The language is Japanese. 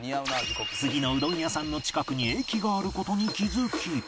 次のうどん屋さんの近くに駅がある事に気づき